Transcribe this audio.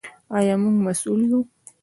آیا موږ مسوول یو؟